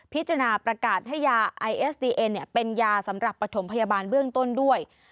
พิจารณาประกาศให้ยาไอเอสดีเอ็นเป็นยาสำหรับปฐมพยาบาลเบื้องต้นด้วย